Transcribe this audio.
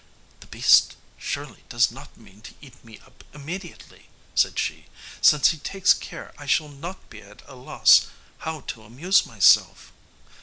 "The beast surely does not mean to eat me up immediately," said she, "since he takes care I shall not be at a loss how to amuse myself."